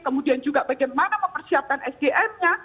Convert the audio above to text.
kemudian juga bagaimana mempersiapkan sdm nya